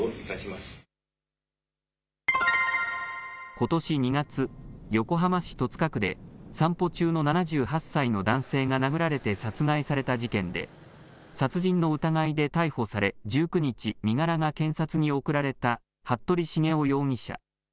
ことし２月、横浜市戸塚区で散歩中の７８歳の男性が殴られて殺害された事件で殺人の疑いで逮捕され１９日、身柄が検察に送られた服部繁雄容疑者。